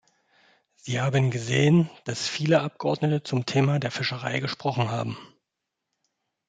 Sie haben gesehen, dass viele Abgeordnete zum Thema der Fischerei gesprochen haben.